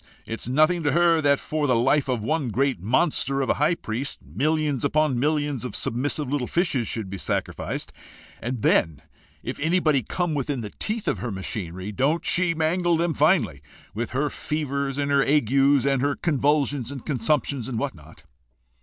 It is nothing to her that for the life of one great monster of a high priest, millions upon millions of submissive little fishes should be sacrificed; and then if anybody come within the teeth of her machinery, don't she mangle him finely with her fevers and her agues and her convulsions and consumptions and what not?